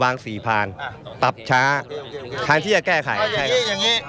วางฝี่ทางน่ะตับช้าทางที่จะแก้ไขอย่างเงี้ยอย่างเงี้ย